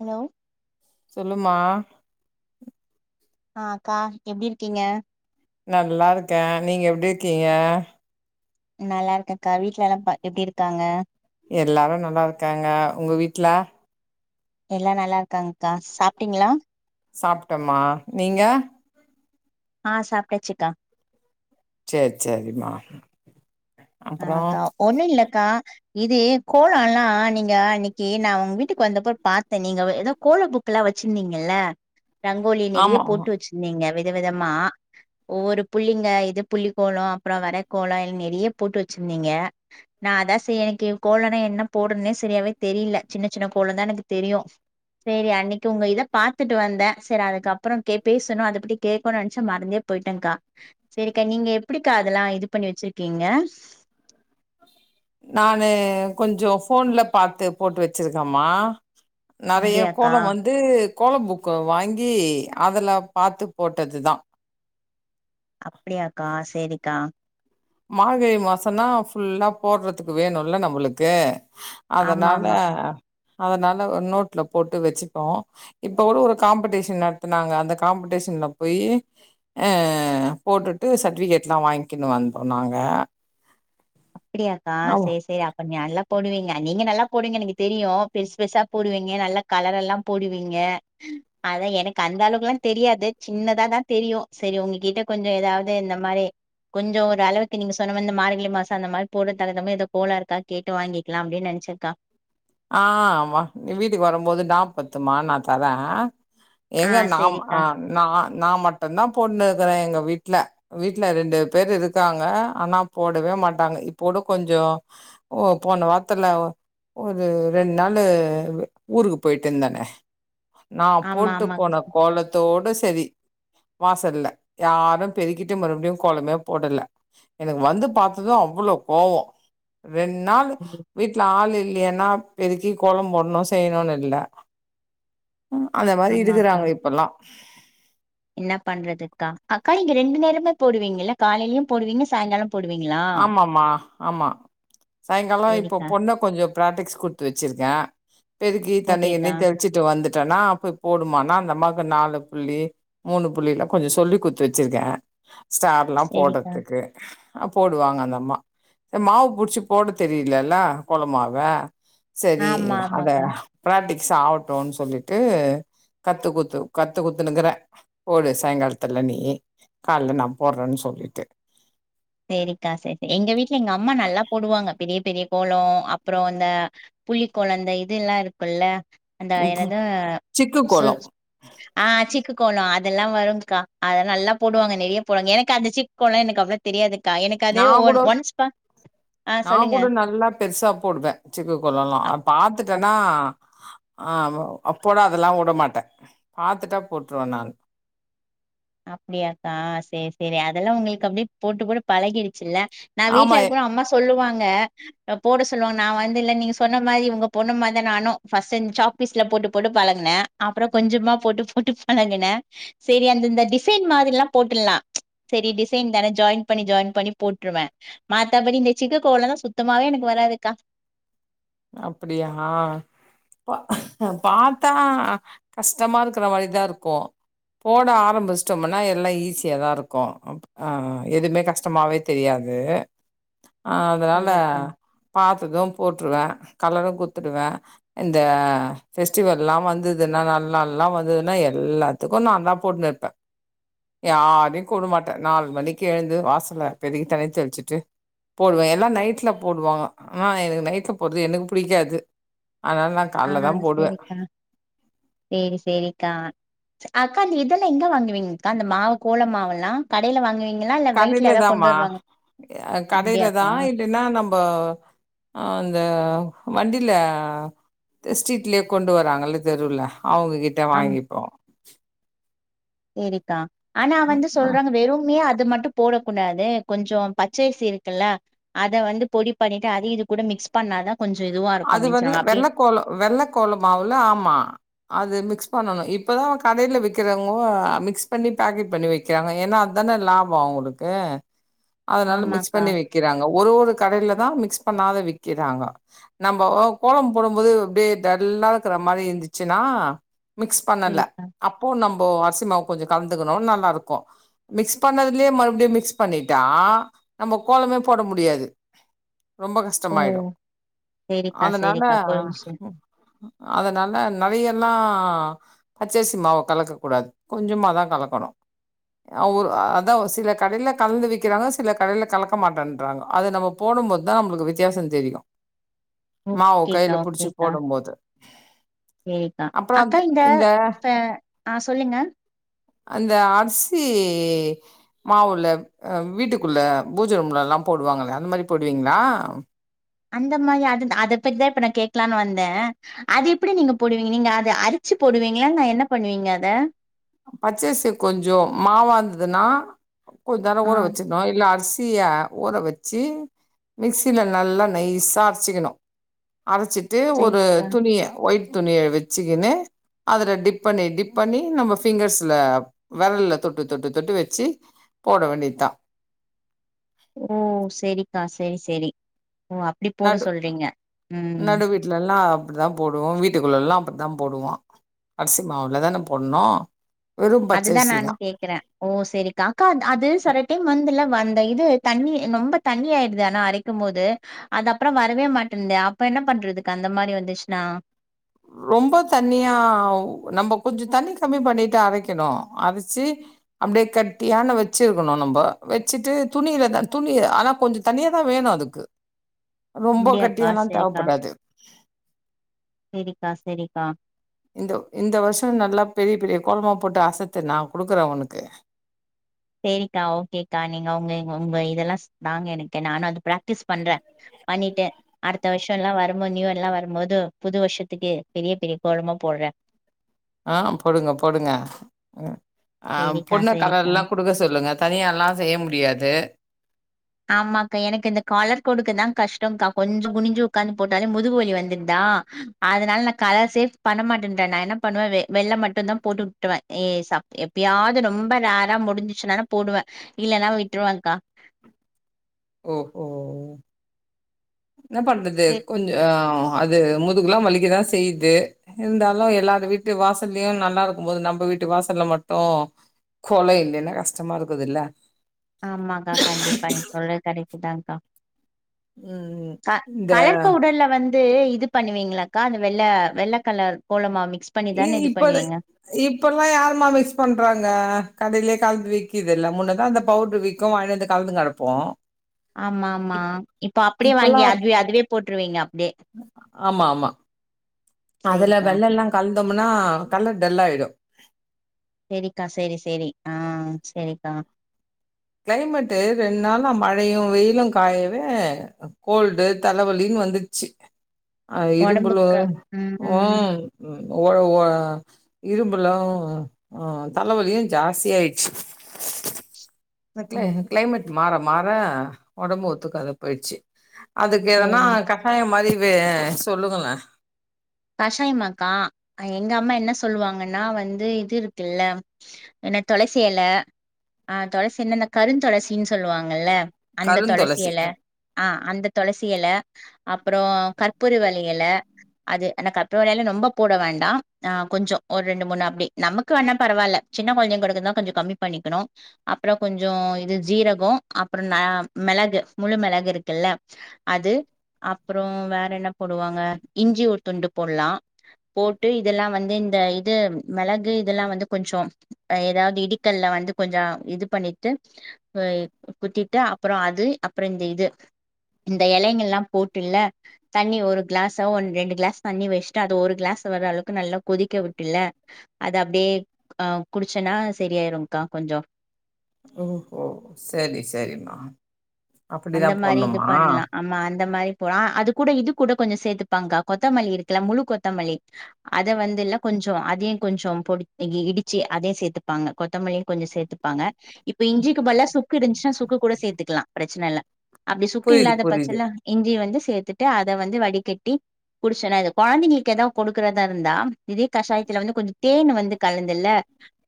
Hello சொல்லுமா ஆ அக்கா எப்டி இருக்கீங்க நல்லா இருக்கே நீங்க எப்டி இருக்கீங்க நல்லா இருகக்கா வீட்லலாம் பா எப்டி இருக்காங்க எல்லாரோ நல்லா இருக்காங்க உங்க வீட்ல எல்லா நல்லா இக்காங்கா சாப்டீங்ளா சாப்ட்டமா நீங்க ஆ சாப்டாச்சுக்கா செர் செரிமா ஆ அகா ஒன்னில்லகா இதி கோலோ எல்லா நீங்க அன்னக்கு நா உங்க வீட்டுக்கு வந்த போ பாத்தேன் நீங்க ஏதோ கோல புக்கு எல்லா வச்சிருந்தீங்கல்ல ரங்கோலி நிறைய ஆமா போட்டு வச்சிருந்தீங்க விதவிதமா ஒவ்வொரு புள்ளிங்க இது புள்ளி கோலோ அப்றோ வர கோலோ ல்ல நிறைய போட்டு வச்சிருந்தீங்க. நா அத சே எனக்கி கோலனா என்ன போடனுன்னே சரியாவே தெரியில. சின்ன சின்ன கோலந்தான் எனக்கு தெரியு. சேரி அன்னைக்கு உங்க இதப் பார்த்துட்டு வந்தே செரி அதுக்கப்புறோ கே பேசணும் அதப் பத்தி கேக்கணும்னு நெனைச்சே. மறந்தே போயட்டேன்கா சரிக்கா நீங்க எப்பிடிக்கா அதெல்லா இது பண்ணி வச்சிருக்கீங்க நானு கொஞ்சோ ஃபோன்ல பார்த்து போட்டு வச்சிருக்கேமா நெறைய அப்டியாக்கா கோலம் வந்து கோல புக்கு வாங்கி அதுல பாத்து போட்டது தா அப்டியாக்கா சேரிகா மார்கழி மாசோன்னா ஃபுல்லா போடுறதுக்கு வேணுல்ல நம்மளுக்கு ஆமா அதனால ஆமாக்கா அதனால நோட்டுல போட்டு வச்சுப்போ. இப்போ ஒரு காம்பெடிஷன் நடத்துனாங்க. அந்த காம்பெடிஷன்ல போயி அஹ் போட்டுட்டு சர்ட்டிஃபிகேட்லா வாங்கிகுனு வந்த சொன்னாங்க அப்டியாக்கா சேரி சேரி அக் கொஞ்ச நல்லா போடுவீங்க நீங்க நல்லா போடுவீங்க எனக்கு தெரியும் பெருசு பெருசா போடுவீங்க நல்லா கலர் எல்லாம் போடுவீங்க அதா எனக்கு அந்த அளவுக்கு எல்லா தெரியாது சின்னதா தா தெரியும் சரி உங்ககிட்ட கொஞ்சோ ஏதாவது இந்த மாதிரி கொஞ்சோ ஒரு அளவுக்கு நீங்க சொன்ன மாரி இந்த மார்கழி மாசம் அந்த மாதிரி போற தரதம ஏதோ கோல இருக்கா கேட்டு வாங்கிக்கலாம் அப்டின்னு நென்ச்சேங்கா ஆஹ் ஆமா நீ வீட்டுக்கு வரும்போது நாற்பத்துமா நான் தரேன் ஆ எங்க நாம் சேரிக்கா அஹ் நா -நா மட்டுந்தான் போங்னுர எங்க வீட்ல- வீட்டுல ரெண்டு பேரு இருக்காங்க ஆனா போடவே மாட்டாங்க இப்போட கொஞ்சோ போன வாரத்துல ஒரு ரெண்டு நாள்ளு ஊருக்கு போயிட்டு இருந்தேனே நா ஆமா போட்டு ஆமாக்கா போன கோலத்தோட சேரி சரி வாசல்ல யாரு பெருக்கிட்டு மறுபடியு கோலமே போடல எனக்கு வந்து பார்த்தது அவ்வளோ கோவோம் ரெண்டு நாள் சொன்னீங்க. வீட்டுல ஆள்ல ஏன்னா பெருக்கி கோலம் போடணு செய்யணு இல்ல அந்த மாதிரி ஆமாக்கா இருக்குறாங்க இப்பல்லா என்ன பண்றதுக்கா அக்கா நீங்க ரெண்டு நேரமே போடுவீங்கல்ல காலயிலேயு போடுவீங்க சாங்காலம் ஆமாமா ஆமா சாங்காலம் இப்ப சேரிக்கா பொண்ண கொஞ்சோ பிராக்டிக்ஸ் குடுத்து வச்சிருக்கே பெருக்கி தண்ணி இண்ணி ஓகேக்கா தெளிச்சிட்டு வந்து நா அப்பிடி போடுமா அந்தம்மாவுக்கு நாலு புள்ளி மூணு புள்ளி எல்லா கொஞ்சோ சொல்லி குத்து வச்சிருக்கே ஸ்டார் எல்லா சேரிக்கா போடுறதுக்கு அஹ் போடுவாங்க அந்த அம்மா மாவு புடிச்சு போட தெரியலல்ல கோல மாவ சரி ஆமா அத ஆமாக்கா பிராடிக் சாவட்டூன் சொல்லிட்டு கத்து குத்து கத்து குத்துனுக்குறே போடு சாங்காலத்துல நீ காலல நான் போட்றேன்னு சொல்லிட்டு சேரிக்கா செரி எங்க வீட்ல எங்க அம்மா நல்லா போடுவாங்க பெரிய பெரிய கோலோ அப்றோ இந்த புள்ளிக்கோலந்த இதுல்லா இருக்குல்ல அந்த என்னது சிக்கு கோலம் சச் ஆ ஆச்சிக்கு கோலோ அதெல்லா வரும்க்கா அத நல்லா போடுவாங்க நெறைய போடுவாங் எனக்கு அந்த சிக்கோலோ எனக்கு அவ்ள தெரியாது நாங்கூடொ ஆ சொல்லுங்க நாங்கூட நல்லா பெருசா போடுவே சிக்கு கொல்லோலா பாத்துட்டன்னா ஆஹ் அப்போடா அதெல்லாம் விடமாட்டே பாத்துட்டா போட்ருவ நானு அப்டியாக்கா சேர் சேரி அதெல்லாம் உங்களுக்கு அப்டியே போட்டு போட்டு பழகிருக் சில்ல நா ஆமா வீட்ல இருக்கம அம்மா சொல்லுவாங்க போட சொல்லுவா நான் வந்து இல்ல நீங்க சொன்ன மாதி உங்க பொண்ணுமாதா நானு பர்ஸ்டன் சாக்பீஸ்ல போட்டு போட்டு பழகுன அப்றொ கொஞ்சமா போட்டு போட்டு பழகுன சேரி அந்தந்த டிசைன் மாதிரிலா போட்டுல்லா செரி டிசைன் தானே ஜாயின் பண்ணி ஜாயின் பண்ணி போட்ருவே மாத்தபடி இந்த சிக்கு கோலந்தா சுத்தமாவே எனக்கு வராதுக்கா அப்டியா ப பாத்தா கஷ்டமா இருக்ற மாரிதாருக்கு போட ஆரம்பிச்சிட்டொம்னா எல்லா ஈஸியாதா இருக்கு அப் ஆ ஆ எதுமே கஷ்டமாவே தெரியாது அதனால சேரிக்கா பாத்துக்கொ போட்ருவே கலரு குத்துடுவேன் இந்த ஃபெஸ்டிவெல்லா வந்ததுன்னா நல்நால்லாம் வந்ததுன்னா எல்லாத்துக்கு நான் தான் போட்னுருப்பே யாரையு கூப்ட மாட்டே நாலு மணிக்கு எழுந்து வாசல பெருக்கி தனி தெளிச்சுட்டு போடுவே எல்லாம் நைட்ல போடுவாங்க னா எனக்கு நைட்ல போர்து எனக்கு பிடிக்காது ஆஹ் செரிக்கா சேரி செரிக்கா அக்கா இந்த இதல்லா எங்க வாங்குவீங்க்கா அந்த மாவு கோலம் மாவெல்லா கடையில வாங்குவீங் கடையில தாமா கடையில தா அப்டியாக்கா இல்லைன்னா நம்பொ அந்த வண்டில த ஸ்ட்ரீட்லயே கொண்டு வராங்கல்ல தெருவுல அவொங்ககிட்ட வாங்கிப்போ தேரிக்கா ஆனா வந்து சொல்றாங்க வெறும்யே அது து மட்டும் போடக்கூடாது கொஞ்ஜொ பச்சசி இருக்குல்ல அத வந்து பொடி பண்ணிட்டு அதயு இது கூட மிக்ஸ் பண்ணாதான் அது வந்து வெள்ள கோலோ வெள்ளக்கோல மாவுல ஆமா அது மிக்ஸ் பண்ணணு இப்பதான் கடையில விக்கிறவங்கோ மிக்ஸ் பண்ணி பேக்கெட் பண்ணி வைக்கிறாங்க ஏன்னா அத்தானே லாபோ அவங்களுக்கு அதனால மிக்ஸ் ஆமாக்கா பண்ணி வைக்கிறாங்க ஒரு ஒரு கடையில தான் மிக்ஸ் பண்ணாத விக்கிறாங்க நம்பொ கோலம் போடும்போது அப்டியே டல்லாருக்குற மாரி இருந்துச்சுன்னா மிக்ஸ் பண்ணல சேரிக்கா அப்போ நம் ஒ அரிசிமாவு கொஞ்ஜொ கலந்துக்கணு நல்லாருக்கும் மிக்ஸ் பண்ணதுலயே மறுபடியும் மிக்ஸ் பண்ணிட்டா நம்ம கோலமே போட முடியாது ரொம்ப ஓ கஷ்டமாய்டு சேரிக்கா அதனால சேரிக்கா புரிஞ்ச்சு அதனால நெறையெல்லா பச்சர்சி மாவ கலக்க கூடாது கொஞ்சமாதா கலக்கணு அவு அதா சில கடையில கலந்து விக்கிறாங்க சில கடையில கலக்க மாட்டென்றாங்க அது நம்ம போடும் போத்தான் நம்மள்க்கு வித்தியாசொ தெரியு உக் மாவு கையில கேட்டா புடிச்சு கேக்கா போடும்போது சேரிக்கா அப்புறம் அந்த அக்கா இந்த ஸ்ட அ சொல்லுங்க அந்த அர்சி மாவுள்ள வீட்டுக்குள்ள பூஜ ரூம்லல்லா போடுவாங்களே அந்த மாரி போடுவீங்ளா அந்த மாதி அது அத பத்திதா இப்ப நா கேக்கலானு வந்தே அது எப்டி நீங்க போடுவீங் நீங்க அது அரிச்சு போடுவிங்ளா இல்ல என்ன பண்ணுவீங்க அத பச்சரிசி கொஞ்சோ மாவாருந்துதுனா, கொஞ்ச நேர ஆ ஊரவச்சிருனு இல்ல அரிசி சிய ஊற வச்சு மிக்சில நல்லா நைஸா அரைச்சிக்கிணு. அரச்சிட்டு ஒரு சேரிக்கா துணிய ஒய்ட் துணிய வச்சுக்கினு அதுல டிப் பண்ணி டிப் பண்ணி நம்ம ஃபிங்கர்ஸ்ல வெரல்ல தொட்டு தொட்டு தொட்டு வச்சு போட வேண்டியத்தா. ஓ சேரிக்கா, சேரி, சேரி ஓ அப்டி போட நடு சொல்றீங்க ம் நடு வீட்லல்லா அப்டிதா போடுவோ, வீட்டுக்குள்ள எல்லா அப்டிதா போடுவோ, அரிசி மாவுலதான போட்ணு வெறு அதுதா நானு பச்சரிசிதா கேக்குற. ஓ சேரிக்கா அக்கா அது சில டைம் வந்துல வந்து அந்த இது தண்ணி நொம்ப தண்ணி ஆயிருது ஆனா அரைக்கும்போது அது அப்பறோ வரவே மாட்டன்னுது. அப்ப என்ன பண்றதுக்கா? அந்த மாரி வந்துச்சுனா ரொம்ப தண்ணியா நம்ம கொஞ்சோ தண்ணி கம்மி பண்ணிட்டு அரைக்கிணு அரச்சு அப்டியே கட்டியான வச்சிருக்குணு நம்ப வெச்சிட்டு துணியிலதா துணி ஆனா கொஞ்சோ தண்ணியாதா வேணு அதுக்கு ரொம்ப அப்டியாக்கா கட்டியல்லா சேரிக்கா தேவப்படாது. க்கா சேரிக்கா இந்த இந்த வருசோ நல்ல பெரிய பெரிய கோலமா போட்டு அசத்து நா குடுக்குறே உனக்கு சேரிக்கா ஓகேக்கா, நீங்க உங்க உங்க இதெல்லா நாங்க எனக்கு நானு அது பிராக்டிஸ் பண்ற, பண்ணிட்டு அடுத்த வருஷல்லா வரும்போது நியூ இயரல்லா வரும்போது புது வருஷத்துக்கு பெரிய பெரிய கோலமா போடுறே. ஆ போடுங்க, போடுங்க. ம் ஆ, சேரிக்கா பொண்ண சேரிக்கா கலர்ல்லா கொடுக்க சொல்லுங்க தனியால்லா செய்ய முடியாது. ஆமாக்கா, எனக்கு இந்த கலர் கொடுக்குதா கஷ்டங்க்கா கொஞ்சோ குனிஞ்சு உடக்காந்து போட்டாலே முதுகு வலி வந்திருதா அதனால நா கலர்ஸ்சே பண்ண மாட்டேன்ட்ட நா என்ன பண்ணுவே வெ வெள்ள மட்டுந்தா போட்டு விட்டுவே எ ச எப்பயாவது ரொம்ப ரேரா முடிஞ்சிச்சுனாதா போடுவே இல்லன்னா விட்ருவேங்க்கா. ஓஹோ என்ன பண்றது சேர் கொஞ்சோ அது முதுகுல்லா வலிக்கதா செய்யுது இருந்தாலு எல்லாரு வீட்டு வாசல்லயு நல்லா இருக்கும் போது நம்ம வீட்டு வாசல்ல மட்டு கோலம் இல்லன்னா கஷ்டமா இருக்குதுல்ல ஆமாக்கா கண்டிப்பா நீங்க சொல்றது கரெக்ட் தாங்க்கா ம் க இந்த கலர் பௌடர்ல வந் து பண்ணுவீங்களாக்கா அந்த வெள்ள வெள்ள கலர் கோல மாவு இ இப்ப அத, இப்பல்லா யாரும்மா மிக்ஸ் பண்றாங்க கடைலயே கலந்து விக்கிதுல்ல, முன்னதா அந்த பவுடரு விக்கு வாங்கிட்டுவந்து கலந்துனு கெடப்போ ஆமா ஆமா, இப் இப்போ அப்டியே இப்பல்லா வாங்கி அதுவே அதுவே போட்ருவீங்க அப்டியே ஆமா ஆமா அதுல சேரிக்கா வெள்ளல்லா கலந்தோம்னா கலர் டல்லாயிடு. சேரிக்கா சேரி சேரி, ஆ சேரிக்கா கிளைமேட்டு ரெண்டு நாளா மழையு வெயிலு காயவே கோல்டு தலவலின்னு வந்துச்சு. அ இரும்பலு, ம் ஒட ஒ இரும்பலு ஆ, தலவலியு ஜாஸ்தியாயிடுச்சு க்ள ம் க்ளைமேட் மாற மாற ஓடம்பு ஓத்துக்காத போயிடுச்சு அதுக்கு எதனா சேரி கஷாயம் மாரி வே சொல்லுங்களே கஷாயமாக்கா எங்க அம்மா என்ன சொல்லுவாங்கன்னா வந்து இது இருக்குல்ல என்ன துளசி எல ஆஹ் துளசின இந்த கரு துளசின்னு சொல்லுவாங்கல்ல அந்த துளசி கருந்துளசி எல ஆஹ் அந்த துளசி எல அப் அப்புறோ கற்பூரவள்ளி எல அது கற்பூரவள்ளி எல ரொம்ப போட வேண்டா ஆ கொஞ்சோ ஒரு ரெண்டு மூணு அப்டி நமக்கு வேணா பரவாயில்ல சின்ன கொழந்தங்களுக்கு தா கொஞ்சோ கம்மி பண்ணிக்கணு அப்புற கொஞ்ச இது ஜீரகோ அப்புற மிளகு முழு மிளகு இருக்குல்ல அது அப்புறோ வேற என்ன போடுவாங்க இஞ்சி ஒரு துண்டு போடலா போட்டு இதெல்லா வந்து இந்த இது மிளகு இதெல்லா வந்து கொஞ்சோ ஏதாவது இடிக்கல்ல வந்து கொஞ்ச இது பண்ணிட்டு குத்திட்டு அப்புற அது அப்புற இந்த இது இந்த எலைங்கள் எல்லா போட்டுல தண்ணி ஒரு கிளாஸ் ஒ ரெண்டு கிளாஸ் தண்ணி வச்சுட்டு அது ஒரு கிளாஸ் வர்ற அளவுக்கு நல்லா கொதிக்க விட்டுல அது அப்படியே ஆ குடிச்சன்னா செரிய ஆயிருகா கொஞ்சோ ஓஹோ சேரி சேரிமா அந்த மாரி இது பண்லா ஆம்மா அந்த மாரி போல அது கூட இது கூட கொஞ்ச சேத்து ப்பாங்கா கொத்தமல்லி இருக்குல முழு கொத்தமல்லி அத வந்து இல்ல கொஞ்சோ அதையு கொஞ்சோ பொ இடிச்சு அதைய சேர்த்துப்பாங்க கொத்தமல்லி கொஞ்சோ சேர்த்துப்பாங்க இப்ப இஞ்சிக்கு பதிலா சுக்கு இருஞ்னா சுக்கு க்கு சேர்த்துக்லா பிரச்சன இல்ல அப்டி சுக்கு புரியுது இல்லாத புரியுது. பட்சல இஞ்சி வந்து சேத்துட்டு அத வந்து வடிகட்டி குடிச்சனா இத கொழந்தைங்களுக்கு எதாவ் கொடுக்கறதா இருந்தா இதே கஷாயத்துல வந்து கொஞ்ச தேன் வந்து கலந்துல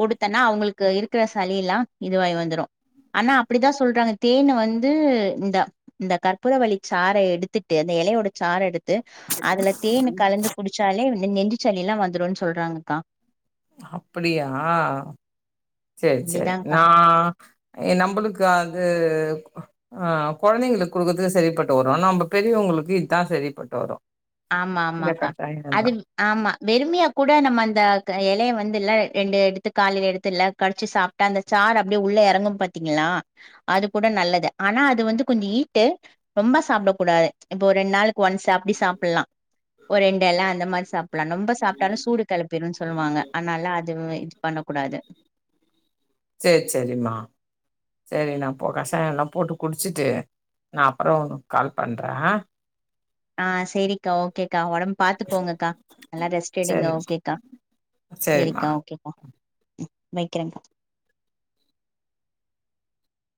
கொடுத்தன்னா அவங்களுக்கு இருக்கிற சளி எல்லா இதுவாயி வந்துரு ஆனா அப்படிதா சொல்றாங்க தேன் வந்து இந்த இந்த கற்பூரவல்லி சாற எடுத்துட்டு அந்த எலையோட சாற எடுத் து அதுல தேன் கலந்து குடிச்சாலே நெ நெஞ்சு சளி எல்லா வந்துருன் சொல்றாங்கக்கா அப்படியா சேரி சேரி அப்டிதான்க்கா நா எ நம்பளுக்கு அது ஆஹ் கொழந்தைங்களுக்கு குடுக்குறதுக்கு சரிப்பட்டு வரு நம்ப பெரியவங்களுக்கு இதா சரிப்பட்டு வரு ஆமா ஆமாக்கா அது ஆமா வெறும்மையா கூட நம்ம அந்த க எலைய வந் துல ரெண்டு எடுத்து காலைல எடுத்துல்ல கடிச்சு சாப்டா அந்த சாறு அப்படியே உள்ள எறங்கும் பாத்தீங்களா அது கூட நல்லது ஆனா அது வந்து கொஞ்ச ஈட்டு ரொம்ப சாப்டக் கூடாது இப்போ ரெண்ட் நாளுக்கு ஒன்ஸ் அப்டி சாப் புலா ஒரு ரண்டு எல அந்த மாரி சாப் லா ரொம்ப சாப்டாலு சூடு கெளப்பிருன் சொ சொல்வாங்க அதுனால அதுவெ இது பண்ண கூடாது சேர் செரிமா சேரி நா போ கஷாயல்லா போட்டு குடிச்சிட்டு நா அப்றொ கால் பண்றே ஆஹ் சேரிக்கா ஓகேக்கா ஒடம்ப பாத்துக்கோங்கக்கா நல்லா ரெஸ்ட் எடுங்க சரிம்மா, ஓகேக்கா சரிம்மா. சேரிக்கா ஓகேக்கா வைக்கிரகா